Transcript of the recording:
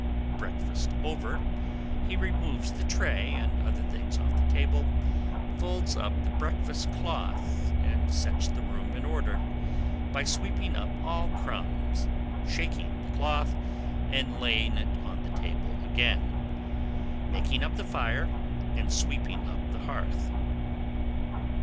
Breakfast over, he removes the tray and other things off the table, folds up the breakfast cloth, and sets the room in order, by sweeping up all crumbs, shaking the cloth, and laying it on the table again, making up the fire, and sweeping up the hearth.